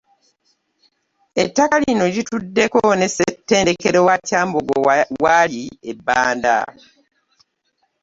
Ettaka lino lituddeko ne ssettendekero wa Kyambogo wali e Bbanda.